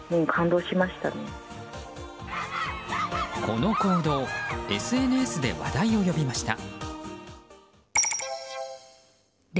この行動、ＳＮＳで話題を呼びました。